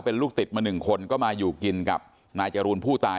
เป็นลูกติดมาหนึ่งคนก็มาอยู่กินกับนายจรูนผู้ตาย